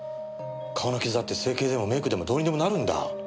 顔の傷だって整形でもメークでもどうにでもなるんだ。